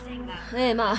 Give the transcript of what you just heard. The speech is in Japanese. ええまあ。